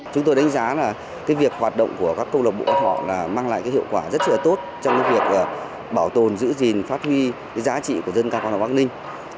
chúng tôi đánh giá là cái việc hoạt động của các câu lạc bộ hoạt động là mang lại cái hiệu quả rất là tốt trong cái việc bảo tồn giữ gìn phát huy cái giá trị của dân ca quan họ bắc ninh